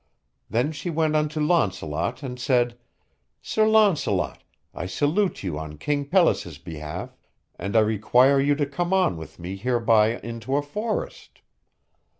Then she went unto Launcelot and said: Sir Launcelot, I salute you on King Pelles' behalf, and I require you to come on with me hereby into a forest.